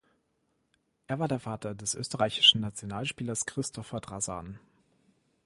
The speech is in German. Er war der Vater des österreichischen Nationalspielers Christopher Drazan.